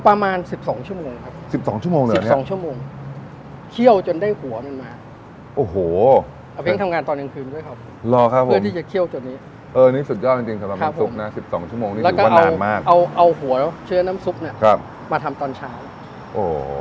ประมาณสิบสองชั่วโมงครับสิบสองชั่วโมงเหรอเนี้ยสิบสองชั่วโมงเคี่ยวจนได้หัวมันมาโอ้โห